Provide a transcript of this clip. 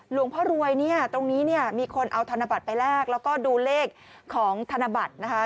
รวยเนี่ยตรงนี้เนี่ยมีคนเอาธนบัตรไปแลกแล้วก็ดูเลขของธนบัตรนะคะ